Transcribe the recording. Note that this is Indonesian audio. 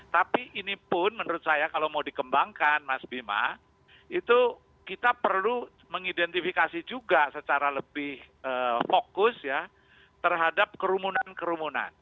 tapi ini pun menurut saya kalau mau dikembangkan mas bima itu kita perlu mengidentifikasi juga secara lebih fokus ya terhadap kerumunan kerumunan